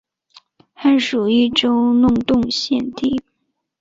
汉属益州弄栋县地。